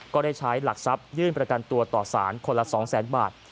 ก็ได้ใช้หลักทรัพยื่นประกันตัวต่อสารคนละ๒๐๐๐๐บาท